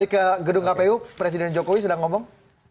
ke gedung kpu presiden jokowi sudah ngomong